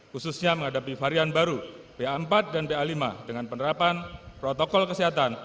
khususnya menghadapi varian baru ba empat dan ba lima dengan penerapan protokol kesehatan